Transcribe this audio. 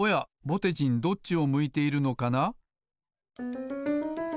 ぼてじんどっちを向いているのかな？